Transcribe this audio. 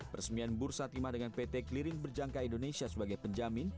peresmian bursa timah dengan pt clearing berjangka indonesia sebagai penjamin